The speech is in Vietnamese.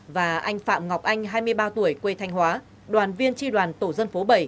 và anh phạm ngọc anh hai mươi ba tuổi quê thanh hóa đoàn viên tri đoàn tổ dân phố bảy